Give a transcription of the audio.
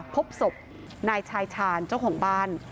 พบศพนายชายชาญเจ้าของบ้าน